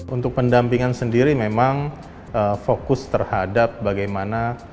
untuk pendampingan sendiri memang fokus terhadap bagaimana